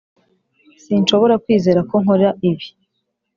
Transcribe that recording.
sinshobora kwizera ko nkora ibi.